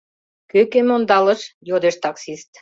— Кӧ кӧм ондалыш? — йодеш таксист.